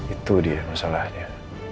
itu dia masalahnya